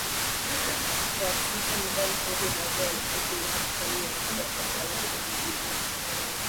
wa Sirte muda mfupi baada ya vikosi vya Serikali ya Mpito kutangaza kuudhibiti mji